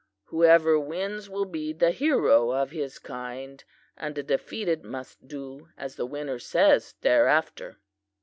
Whoever wins will be the hero of his kind, and the defeated must do as the winner says thereafter.